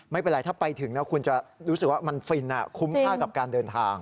ไม่เป็นไรถ้าไปถึงนะคุณจะรู้สึกว่ามันฟินคุ้มค่ากับการเดินทาง